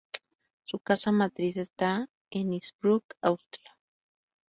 Su casa matriz está en Innsbruck, Austria.